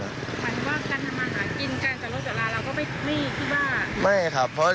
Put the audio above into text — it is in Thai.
หมายถึงว่าการทำมาหากินการเจาะรถเจาะร้าน